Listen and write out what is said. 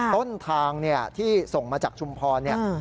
ต้นทางที่ส่งมาจากชุมพร